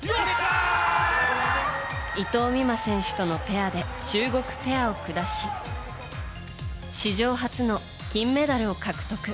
伊藤美誠選手とのペアで中国ペアを下し史上初の金メダルを獲得。